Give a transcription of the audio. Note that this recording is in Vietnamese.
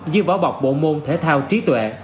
như võ bọc bộ môn thể thao trí tuệ